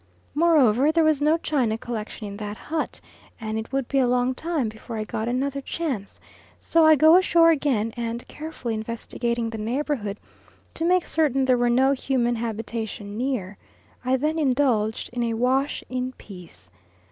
Moreover, there was no china collection in that hut, and it would be a long time before I got another chance, so I go ashore again, and, carefully investigating the neighbourhood to make certain there was no human habitation near, I then indulged in a wash in peace.